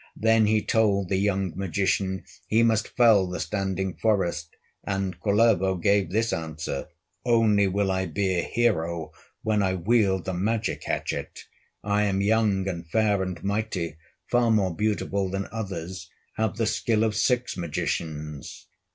Then he told the young magician He must fell the standing forest, And Kullervo gave this answer: "Only will I be a hero, When I wield the magic hatchet; I am young, and fair, and mighty, Far more beautiful than others, Have the skill of six magicians."